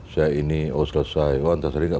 saya ini oh selesai oh antasari tidak